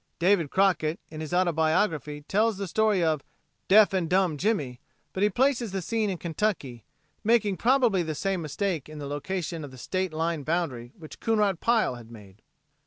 David Crockett in his autobiography tells the story of "Deaf and Dumb Jimmy" but he places the scene in Kentucky, making probably the same mistake in the location of the state line boundary which Coonrod Pile had made.